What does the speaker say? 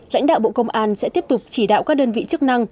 lãnh đạo bộ công an sẽ tiếp tục chỉ đạo các đơn vị chức năng